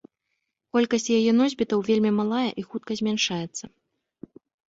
Колькасць яе носьбітаў вельмі малая і хутка змяншаецца.